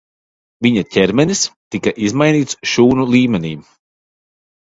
Viņa ķermenis tika izmainīts šūnu līmenī.